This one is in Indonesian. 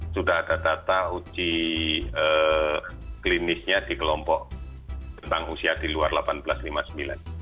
sudah ada data uji klinisnya di kelompok usia di luar delapan belas sampai lima puluh sembilan